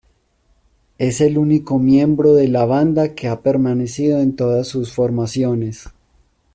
Es el único miembro de la banda que ha permanecido en todas sus formaciones.